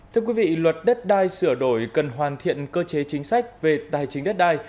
thưa quý vị luật đất đai sửa đổi cần hoàn thiện cơ chế chính sách về tài chính đất đai